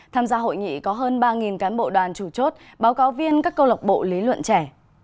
tham gia hội nghị có hơn ba cán bộ đoàn chủ chốt báo cáo viên các câu lọc bộ lý luận trẻ